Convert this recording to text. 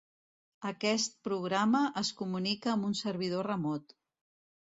Aquest programa es comunica amb un servidor remot.